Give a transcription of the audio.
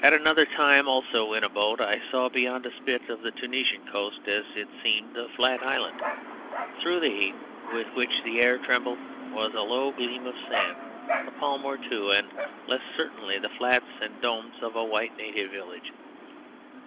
At another time, also in a boat, I saw beyond a spit of the Tunisian coast, as it seemed a flat island. Through the heat, with which the air trembled, was a low gleam of sand, a palm or two, and, less certainly, the flats and domes of a white native village.